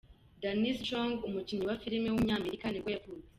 Danny Strong, umukinnyi wa filime w’umunyamerika nibwo yavutse.